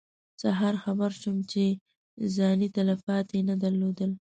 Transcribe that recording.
سهار خبر شوم چې ځاني تلفات یې نه درلودل.